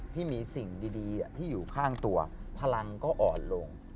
ที่มีสิ่งดีที่อยู่ข้างตัวพลังก็อ่อนลง